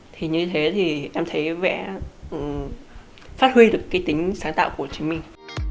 thì như thế thì em thấy vẽ phát huy được cái tính sáng tạo của chính mình